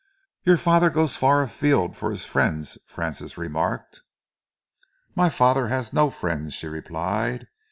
"Your father goes far afield for his friends," Francis remarked. "My father has no friends," she replied.